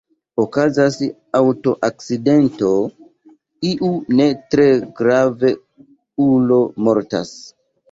Okazas aŭtoakcidento, iu ne-tre-grav-ulo mortas.